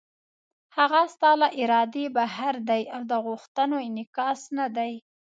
هغه ستا له ارادې بهر دی او د غوښتنو انعکاس نه دی.